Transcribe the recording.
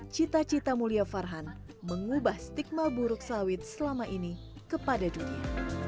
cita cita mulia farhan mengubah stigma buruk sawit selama ini kepada dunia